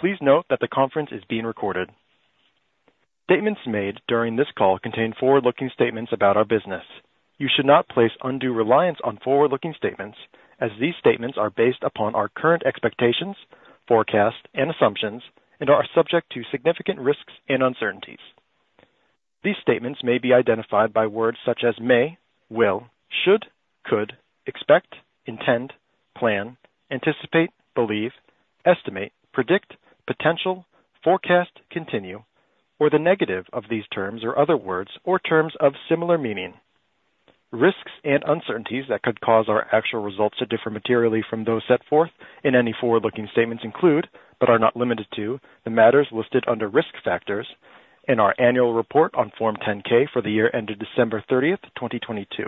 Please note that the conference is being recorded. Statements made during this call contain forward-looking statements about our business. You should not place undue reliance on forward-looking statements, as these statements are based upon our current expectations, forecasts, and assumptions, and are subject to significant risks and uncertainties. These statements may be identified by words such as may, will, should, could, expect, intend, plan, anticipate, believe, estimate, predict, potential, forecast, continue, or the negative of these terms or other words or terms of similar meaning. Risks and uncertainties that could cause our actual results to differ materially from those set forth in any forward-looking statements include, but are not limited to, the matters listed under risk factors in our annual report on Form 10-K for the year ended December 30th, 2022,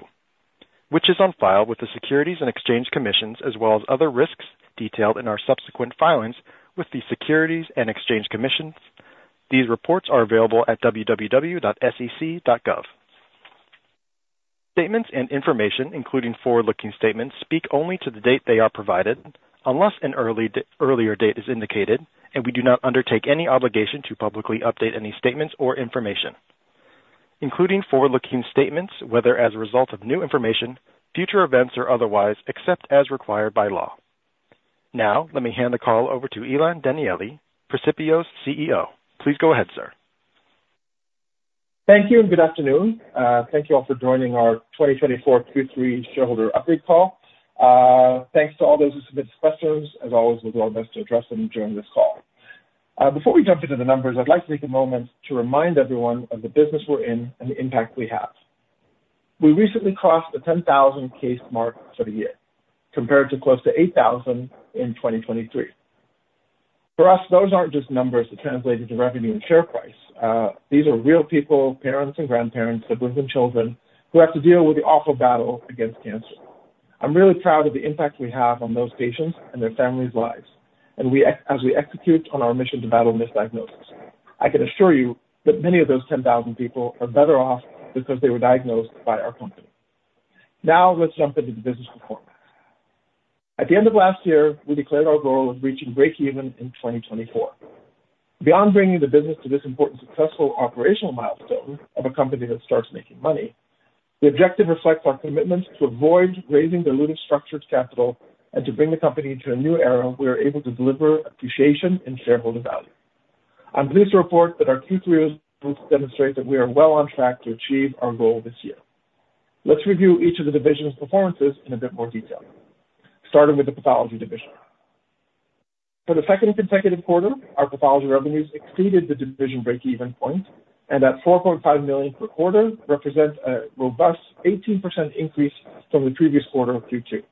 which is on file with the Securities and Exchange Commission, as well as other risks detailed in our subsequent filings with the Securities and Exchange Commission. These reports are available at www.sec.gov. Statements and information, including forward-looking statements, speak only to the date they are provided, unless an earlier date is indicated, and we do not undertake any obligation to publicly update any statements or information, including forward-looking statements, whether as a result of new information, future events, or otherwise, except as required by law. Now, let me hand the call over to Ilan Danieli, Precipio's CEO. Please go ahead, sir. Thank you and good afternoon. Thank you all for joining our 2024 Q3 shareholder update call. Thanks to all those who submitted questions. As always, we'll do our best to address them during this call. Before we jump into the numbers, I'd like to take a moment to remind everyone of the business we're in and the impact we have. We recently crossed the 10,000 case mark for the year, compared to close to 8,000 in 2023. For us, those aren't just numbers that translate into revenue and share price. These are real people, parents and grandparents, siblings and children who have to deal with the awful battle against cancer. I'm really proud of the impact we have on those patients and their families' lives, and as we execute on our mission to battle misdiagnosis. I can assure you that many of those 10,000 people are better off because they were diagnosed by our company. Now, let's jump into the business performance. At the end of last year, we declared our goal of reaching break-even in 2024. Beyond bringing the business to this important successful operational milestone of a company that starts making money, the objective reflects our commitment to avoid raising diluted structured capital and to bring the company to a new era where we are able to deliver appreciation and shareholder value. I'm pleased to report that our Q3 results demonstrate that we are well on track to achieve our goal this year. Let's review each of the divisions' performances in a bit more detail, starting with the pathology division. For the second consecutive quarter, our pathology revenues exceeded the division break-even point, and that $4.5 million per quarter represents a robust 18% increase from the previous quarter of Q2.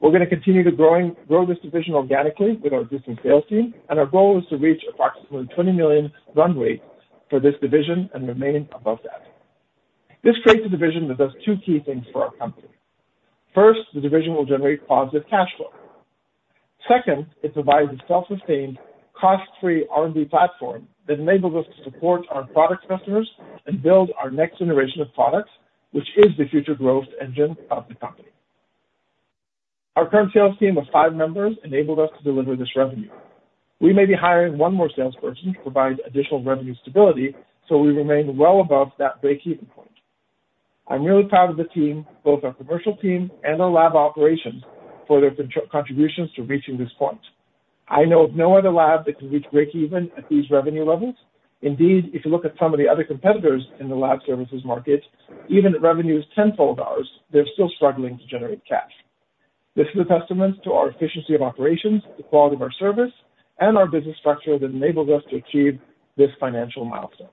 We're going to continue to grow this division organically with our existing sales team, and our goal is to reach approximately $20 million run rate for this division and remain above that. This creates a division that does two key things for our company. First, the division will generate positive cash flow. Second, it provides a self-sustained, cost-free R&D platform that enables us to support our product customers and build our next generation of products, which is the future growth engine of the company. Our current sales team of five members enabled us to deliver this revenue. We may be hiring one more salesperson to provide additional revenue stability, so we remain well above that break-even point. I'm really proud of the team, both our commercial team and our lab operations, for their contributions to reaching this point. I know of no other lab that can reach break-even at these revenue levels. Indeed, if you look at some of the other competitors in the lab services market, even at revenues tenfold ours, they're still struggling to generate cash. This is a testament to our efficiency of operations, the quality of our service, and our business structure that enables us to achieve this financial milestone.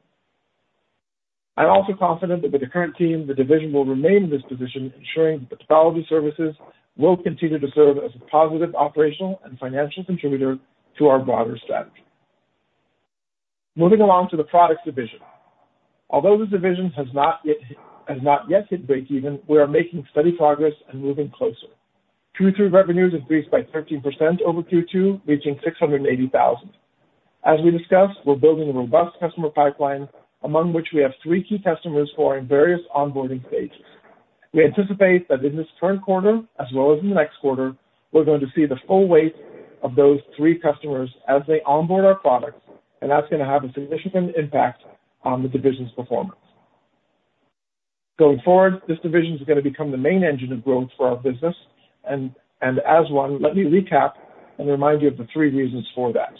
I'm also confident that with the current team, the division will remain in this position, ensuring that the Pathology Services will continue to serve as a positive operational and financial contributor to our broader strategy. Moving along to the Products Division. Although this division has not yet hit break-even, we are making steady progress and moving closer. Q3 revenues increased by 13% over Q2, reaching $680,000. As we discussed, we're building a robust customer pipeline, among which we have three key customers who are in various onboarding stages. We anticipate that in this current quarter, as well as in the next quarter, we're going to see the full weight of those three customers as they onboard our products, and that's going to have a significant impact on the division's performance. Going forward, this division is going to become the main engine of growth for our business, and as one, let me recap and remind you of the three reasons for that.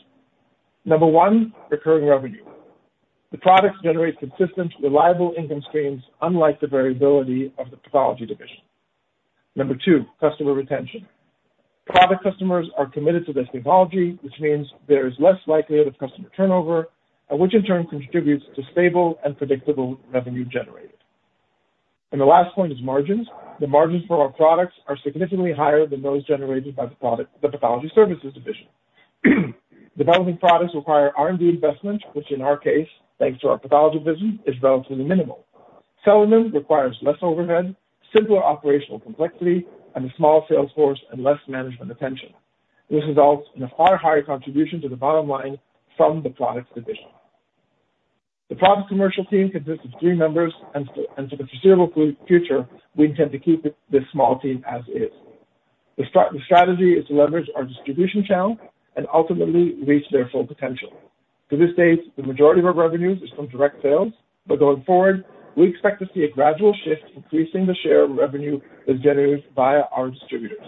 Number one, recurring revenue. The products generate consistent, reliable income streams, unlike the variability of the pathology division. Number two, customer retention. Product customers are committed to this technology, which means there is less likelihood of customer turnover, which in turn contributes to stable and predictable revenue generated. The last point is margins. The margins for our products are significantly higher than those generated by the Pathology Services Division. Developing products require R&D investment, which in our case, thanks to our Pathology Division, is relatively minimal. Selling them requires less overhead, simpler operational complexity, and a small sales force and less management attention. This results in a far higher contribution to the bottom line from the Products Division. The product commercial team consists of three members, and for the foreseeable future, we intend to keep this small team as is. The strategy is to leverage our distribution channel and ultimately reach their full potential. To this date, the majority of our revenues is from direct sales, but going forward, we expect to see a gradual shift increasing the share of revenue that's generated via our distributors.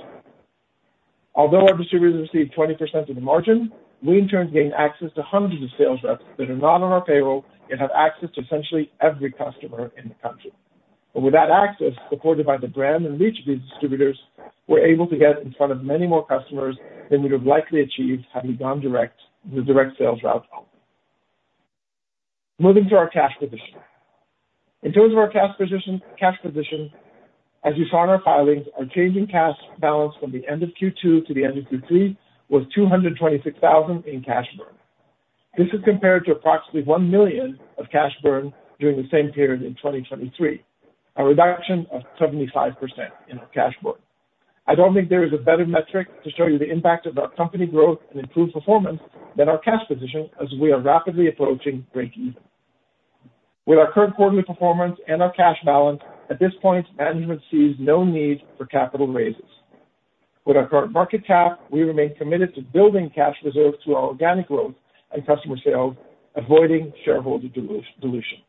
Although our distributors receive 20% of the margin, we in turn gain access to hundreds of sales reps that are not on our payroll and have access to essentially every customer in the country, but with that access, supported by the brand and reach of these distributors, we're able to get in front of many more customers than we would have likely achieved had we gone the direct sales route. Moving to our cash position. In terms of our cash position, as you saw in our filings, our changing cash balance from the end of Q2 to the end of Q3 was $226,000 in cash burn. This is compared to approximately $1 million of cash burn during the same period in 2023, a reduction of 75% in our cash burn. I don't think there is a better metric to show you the impact of our company growth and improved performance than our cash position, as we are rapidly approaching break-even. With our current quarterly performance and our cash balance, at this point, management sees no need for capital raises. With our current market cap, we remain committed to building cash reserves through our organic growth and customer sales, avoiding shareholder dilution.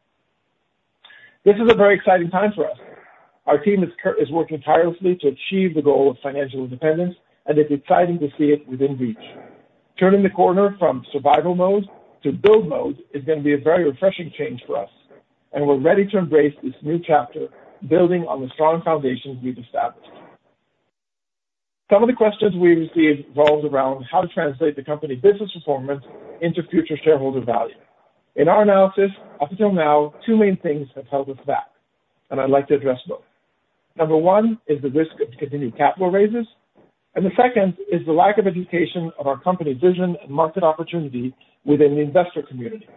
This is a very exciting time for us. Our team is working tirelessly to achieve the goal of financial independence, and it's exciting to see it within reach. Turning the corner from survival mode to build mode is going to be a very refreshing change for us, and we're ready to embrace this new chapter, building on the strong foundations we've established. Some of the questions we received revolved around how to translate the company's business performance into future shareholder value. In our analysis, up until now, two main things have held us back, and I'd like to address both. Number one is the risk of continued capital raises, and the second is the lack of education of our company's vision and market opportunity within the investor community.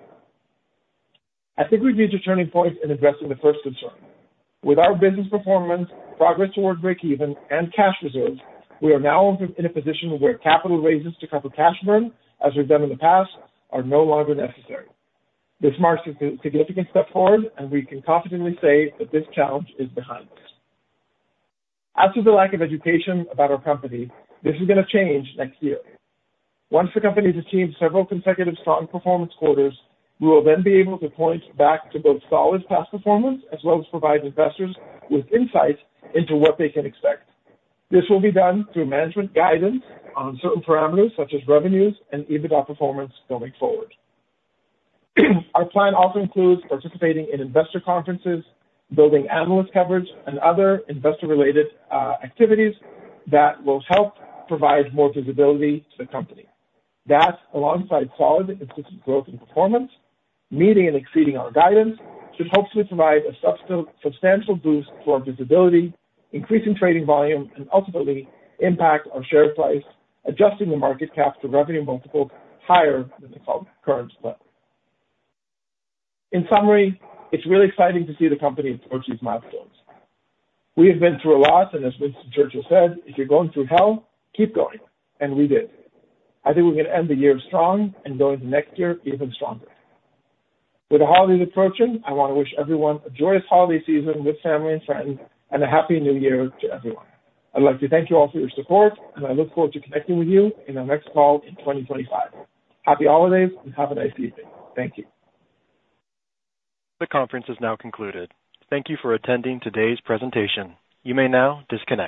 I think we've reached a turning point in addressing the first concern. With our business performance, progress toward break-even, and cash reserves, we are now in a position where capital raises to cover cash burn, as we've done in the past, are no longer necessary. This marks a significant step forward, and we can confidently say that this challenge is behind us. As for the lack of education about our company, this is going to change next year. Once the company has achieved several consecutive strong performance quarters, we will then be able to point back to both solid past performance as well as provide investors with insight into what they can expect. This will be done through management guidance on certain parameters, such as revenues and EBITDA performance going forward. Our plan also includes participating in investor conferences, building analyst coverage, and other investor-related activities that will help provide more visibility to the company. That, alongside solid and consistent growth and performance, meeting and exceeding our guidance, should hopefully provide a substantial boost to our visibility, increasing trading volume, and ultimately impact our share price, adjusting the market cap to revenue multiples higher than the current level. In summary, it's really exciting to see the company approach these milestones. We have been through a lot, and as Winston Churchill said, "If you're going through hell, keep going," and we did. I think we're going to end the year strong and go into next year even stronger. With the holidays approaching, I want to wish everyone a joyous holiday season with family and friends and a Happy New Year to everyone. I'd like to thank you all for your support, and I look forward to connecting with you in our next call in 2025. Happy holidays and have a nice evening. Thank you. The conference is now concluded. Thank you for attending today's presentation. You may now disconnect.